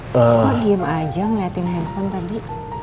wah diem aja ngeliatin handphone tadi